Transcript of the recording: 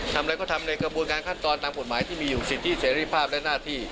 ทำอะไรก็ทำในกระบวนการขั้นตอนตามกฎหมายที่มีอยู่สิทธิเสรีภาพและหน้าที่